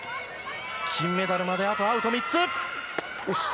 金メダルまで、あとアウト３つ。